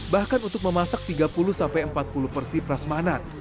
bahkan untuk memasak tiga puluh empat puluh porsi prasmanan